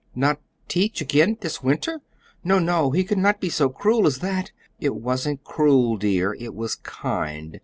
"Not teach again this winter! No, no, he could not be so cruel as that!" "It wasn't cruel, dear; it was kind.